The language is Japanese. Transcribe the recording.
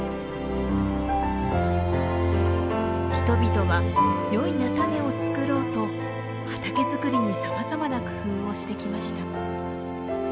人々はよい菜種を作ろうと畑づくりにさまざまな工夫をしてきました。